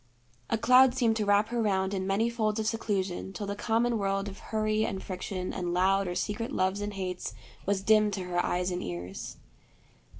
A cloud seemed to wrap her round in many folds of seclusion till the common world of hurry and friction and loud or secret loves and hates was dim to her eyes and ears.